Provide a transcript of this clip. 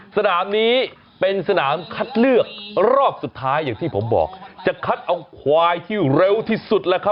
สนามนี้เป็นสนามคัดเลือกรอบสุดท้ายอย่างที่ผมบอกจะคัดเอาควายที่เร็วที่สุดแล้วครับ